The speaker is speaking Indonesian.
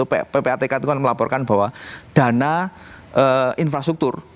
ppatk itu kan melaporkan bahwa dana infrastruktur